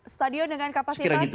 stadion dengan kapasitas sekitar berapa